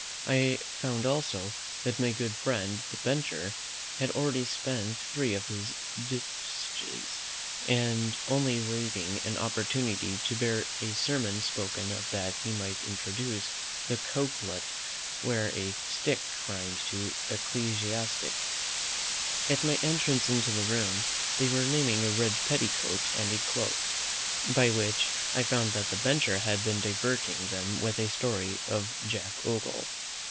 I found also, that my good friend the Bencher had already spent three of his distichs; and only waiting an opportunity to hear a sermon spoken of that he might introduce the couplet where "a stick" rhymes to "ecclesiastic." At my entrance into the room, they were naming a red petticoat and a cloak, by which I found that the Bencher had been diverting them with a story of Jack Ogle.